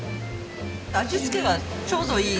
味付けがちょうどいい。